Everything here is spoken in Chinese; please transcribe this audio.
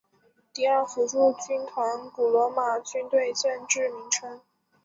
第二辅助军团古罗马军队建制名称。